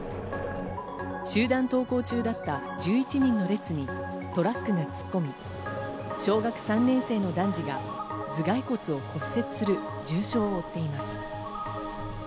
集団登校中だった１１人の列にトラックが突っ込み、小学３年生の男児が頭がい骨を骨折する重傷を負っています。